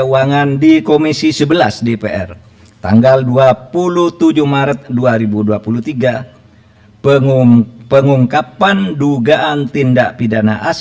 yang kelima untuk laporan hasil pemeriksaan lhp dengan nilai transaksi agregat rp satu ratus delapan puluh